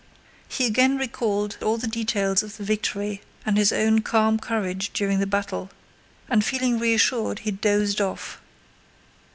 He again recalled all the details of the victory and his own calm courage during the battle, and feeling reassured he dozed off....